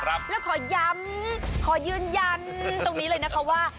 แล้วขอย้ำขอยืนยันตรงนี้เลยนะคะว่า